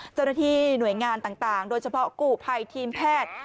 เจ้าหน้าที่หน่วยงานต่างโดยเฉพาะกู้ภัยทีมแพทย์